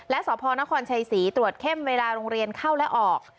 และสพนครชัยศรีตรวจเข้มเวลาโรงเรียนเข้าและออก